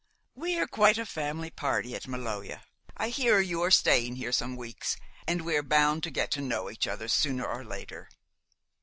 "We are quite a family party at Maloja. I hear you are staying here some weeks, and we are bound to get to know each other sooner or later."